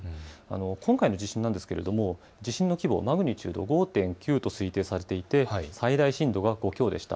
今回の地震ですが地震の規模、マグニチュード５．９と推定されていて最大震度が５強でした。